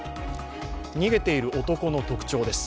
逃げている男の特徴です。